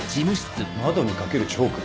窓に描けるチョーク？